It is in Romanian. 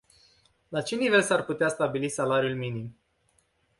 La ce nivel s-ar putea stabili salariul minim?